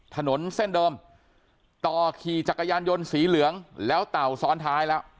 ถนนเส้นเดิมต่อขี่จักรยานยนต์สีเหลืองแล้วเต่าซ้อนท้ายแล้ว